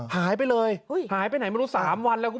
หายไปเลยหายไปไหนไม่รู้๓วันแล้วคุณ